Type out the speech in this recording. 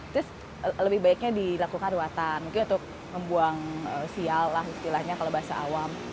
terus lebih baiknya dilakukan ruatan mungkin untuk membuang sial lah istilahnya kalau bahasa awam